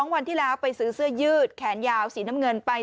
วันที่แล้วไปซื้อเสื้อยืดแขนยาวสีน้ำเงินไป